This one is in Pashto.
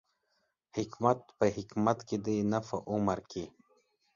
حکمت په حکمت کې دی، نه په عمر کې